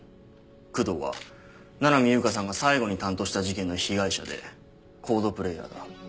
工藤は七海悠香さんが最後に担当した事件の被害者でＣＯＤＥプレーヤーだ。